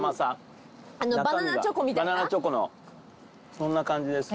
そんな感じです。